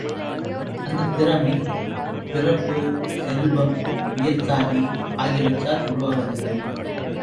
அந்தத் திறமை, பிறப்பு, செல்வம், உயர்சாதி, ஆகியவற்றால் உருவாவதில்லை.